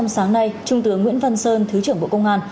sáng nay trung tướng nguyễn văn sơn thứ trưởng bộ công an